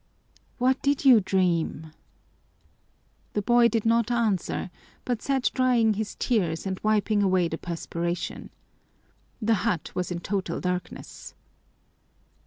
"What did you dream?" The boy did not answer, but sat drying his tears and wiping away the perspiration. The hut was in total darkness.